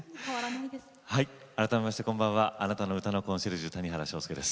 改めましてあなたの歌のコンシェルジュ谷原章介です。